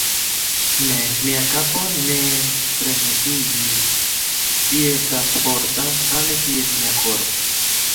Ne, mia kapo ne freneziĝis: ĝi estas forta, same kiel mia korpo.